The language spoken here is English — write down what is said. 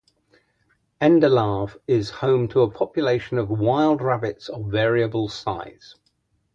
Endelave is home to a population of wild rabbits of variable size.